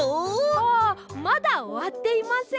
あまだおわっていません。